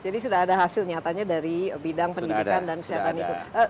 jadi sudah ada hasil nyatanya dari bidang pendidikan dan kesehatan itu